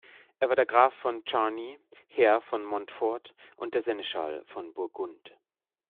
Er war Graf von Charny, Herr von Montfort und der Seneschall von Burgund.